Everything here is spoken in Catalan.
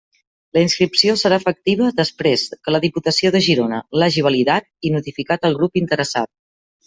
La inscripció serà efectiva després que la Diputació de Girona l'hagi validat i notificat al grup interessat.